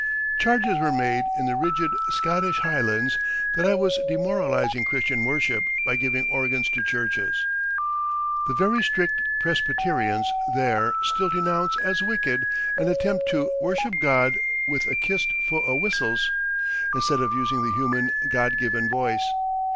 Charges were made in the rigid Scottish Highlands that I was demoralizing Christian worship by giving organs to churches. The very strict Presbyterians there still denounce as wicked an attempt "to worship God with a kist fu' o' whistles," instead of using the human God given voice.